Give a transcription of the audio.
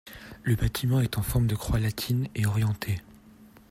Le bâtiment est en forme de croix latine et orienté.